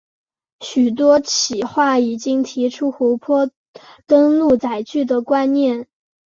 许多企划已经提出湖泊登陆载具的观念。